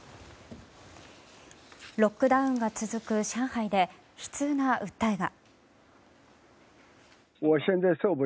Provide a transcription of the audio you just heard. ロックダウンが続く上海で悲痛な訴えが。